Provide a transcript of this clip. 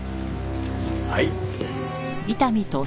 はい。